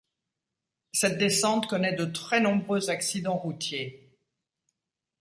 Cette descente connait de très nombreux accidents routiers.